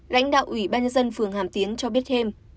lãnh đạo ủy ban nhân dân phường hàm tiến cho biết thêm